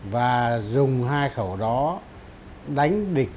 và dùng hai khẩu đó đánh địch